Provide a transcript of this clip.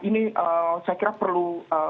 ini saya kira perlu